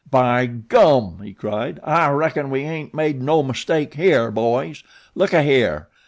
"By gum!" he cried, "I reckon we ain't made no mistake here, boys. Look ahere!"